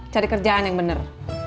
cari kerjaan yang bener